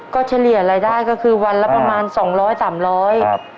ก็เฉลี่ยรายได้ก็คือวันละประมาณสองร้อยสามร้อยครับ